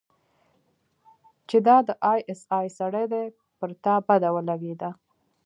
چې دا د آى اس آى سړى دى پر تا بده ولګېده.